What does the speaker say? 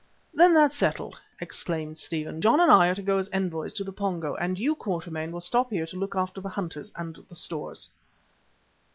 "Then that's settled," exclaimed Stephen. "John and I are to go as envoys to the Pongo, and you, Quatermain, will stop here to look after the hunters and the stores."